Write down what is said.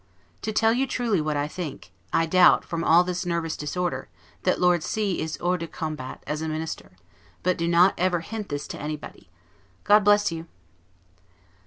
To tell you truly what I think I doubt, from all this NERVOUS DISORDER that Lord C is hors de combat, as a Minister; but do not ever hint this to anybody. God bless you!